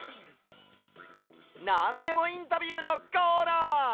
なんでもインタビューのコーナー！